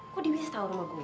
kok diwisita rumah gue sih